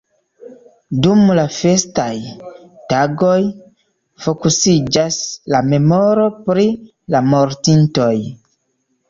Dum la festaj tagoj fokusiĝas la memoro pri la mortintoj.